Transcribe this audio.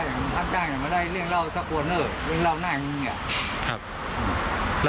วันตอน๓ทุ่มเดี๋ยวโทรไปเป็นไง